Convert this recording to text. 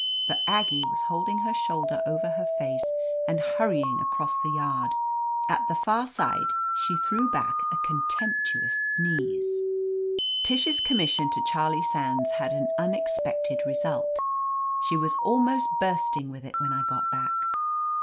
But Aggie was holding her shoulder over her face and hurrying across the yard. At the far side she threw back a contemptuous sneeze. Tish's commission to Charlie Sands had an unexpected result. She was almost bursting with it when I got back.